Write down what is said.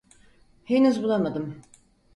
Henüz bulamadım.